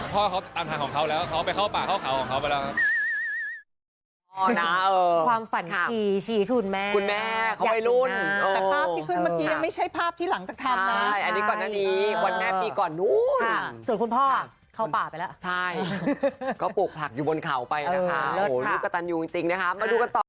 พ่อเขาตามทางของเขาแล้วเขาไปเข้าป่าเข้าเขาของเขาไปแล้วครับ